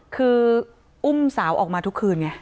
คืออุ้มสาวออกมาทุกคืนไง